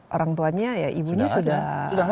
orang tuanya ya ibunya sudah